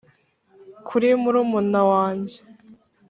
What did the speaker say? kuri murumuna wange,